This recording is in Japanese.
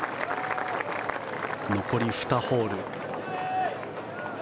残り２ホール。